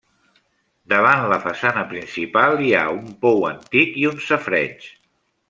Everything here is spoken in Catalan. Davant la façana principal hi ha un pou antic i un safareig.